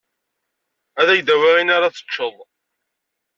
Ad k-d-awiɣ ayen ara teččeḍ.